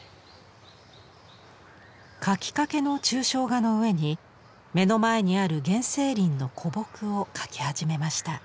描きかけの抽象画の上に目の前にある原生林の古木を描き始めました。